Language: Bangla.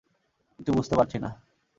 কিছু বুঝতে পারছি না।